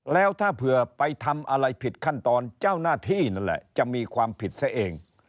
แล้วถ้าเผื่อไปทำอะไรผิดขั้นตอนเจ้าหน้าที่นั่นแหละจะมีความผิดซะเอง